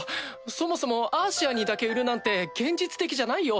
そもそもアーシアンにだけ売るなんて現実的じゃないよ。